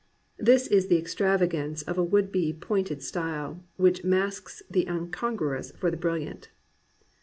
This is the extravagance of a would be pointed style which mistakes the incongruous for the bril Hant.